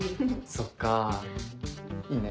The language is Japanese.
そっかぁいいね。